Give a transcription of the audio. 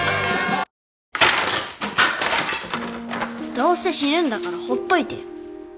どうせ死ぬんだからほっといてよ。